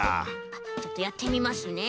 ちょっとやってみますね。